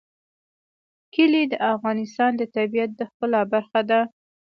کلي د افغانستان د طبیعت د ښکلا برخه ده.